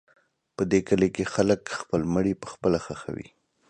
په دې کلي کې خلک خپل مړي پخپله ښخوي.